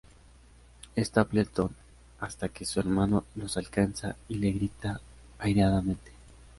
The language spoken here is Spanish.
Stapleton hasta que su hermano los alcanza y le grita airadamente.